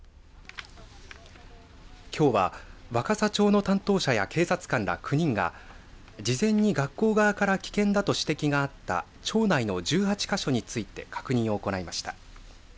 きょうは若狭町の担当者や警察官ら９人が事前に学校側から危険だと指摘があった町内の１８か所について確認を行いました。